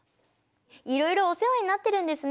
いろいろお世話になってるんですね！